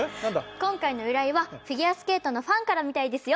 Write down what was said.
今回の依頼はフィギュアスケートのファンからみたいですよ。